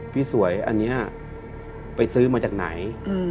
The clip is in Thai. สวยอันนี้ไปซื้อมาจากไหน